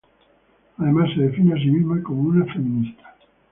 Además se define a sí misma como una feminista.